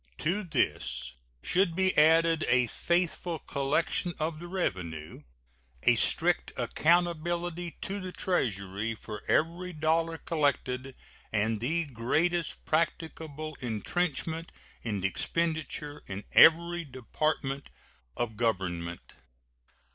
To this should be added a faithful collection of the revenue, a strict accountability to the Treasury for every dollar collected, and the greatest practicable retrenchment in expenditure in every department of Government.